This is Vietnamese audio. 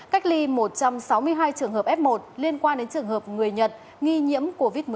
cách ly một trăm sáu mươi hai trường hợp f một liên quan đến trường hợp người nhật nghi nhiễm covid một mươi chín